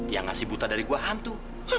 ya nggak si buta dari gue hantu